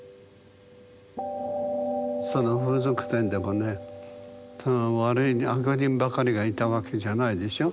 その風俗店でもね悪いね悪人ばかりがいたわけじゃないでしょ？